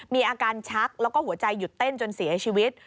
มีอาการชักแล้วก็หัวใจหยุดเต้นจนเสียชีวิต